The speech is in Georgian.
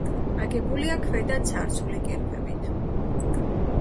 აგებულია ქვედა ცარცული კირქვებით.